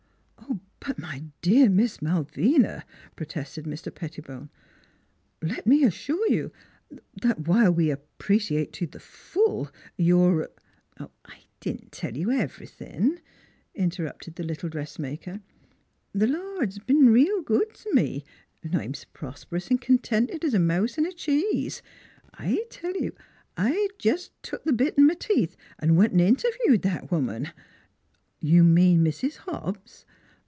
" But my dear Miss Malvina," protested Mr. Pettibone. " Let me assure you that while we appreciate to the full your "" I didn't tell you everythin'," interrupted the little dressmaker. " The Lord's b'en reel good t' me, 'n' I'm 's prosp'rous an' contented 's a mouse in a cheese. I'll tell you, I jes' took th' bit in m' teeth an' went 'n' interviewed that woman 4 You mean Mrs. Hobbs?"